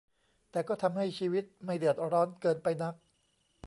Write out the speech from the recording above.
แต่ก็ทำให้ชีวิตไม่เดือดร้อนเกินไปนัก